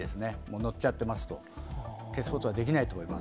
載っちゃってますと、消すことはできないと思います。